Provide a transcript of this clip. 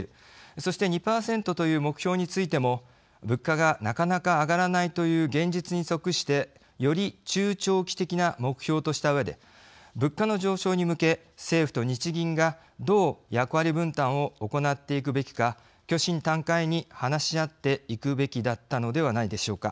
そして２％という目標についても物価がなかなか上がらないという現実に即してより中長期的な目標としたうえで物価の上昇に向け政府と日銀がどう役割分担を行っていくべきか虚心たん懐に話し合っていくべきだったのではないでしょうか。